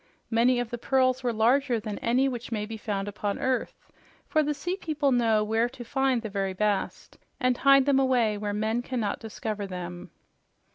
Many of the pearls were larger than any which may be found upon earth, for the sea people knew where to find the very best and hide them away where men cannot discover them.